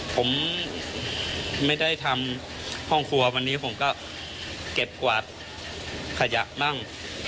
ผมไม่ได้ทำห้องครัววันนี้ผมก็เก็บกวาดขยะบ้าง